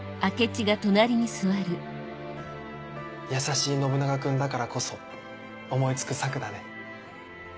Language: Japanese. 優しい信長君だからこそ思い付く策だね。